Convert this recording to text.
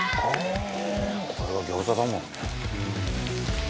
「これが餃子だもんね」